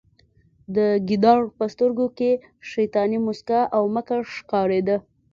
د ګیدړ په سترګو کې شیطاني موسکا او مکر ښکاریده